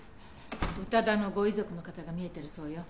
宇多田のご遺族の方が見えてるそうよ。